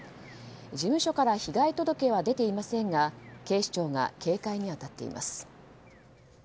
事務所から被害届は出ていませんが警視庁が警戒に当たっています。